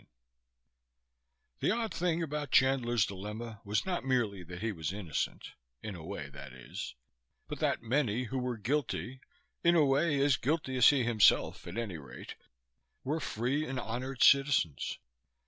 II The odd thing about Chandler's dilemma was not merely that he was innocent in a way, that is but that many who were guilty (in a way; as guilty as he himself, at any rate) were free and honored citizens.